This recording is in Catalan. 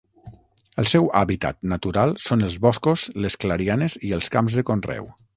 El seu hàbitat natural són els boscos, les clarianes i els camps de conreu.